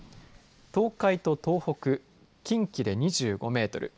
東海と東北近畿で２５メートル